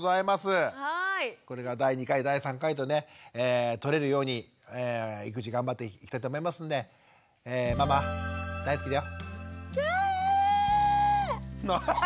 これから第２回第３回とね取れるように育児頑張っていきたいと思いますんでキャー！